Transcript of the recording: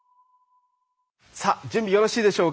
さあ準備よろしいでしょうか。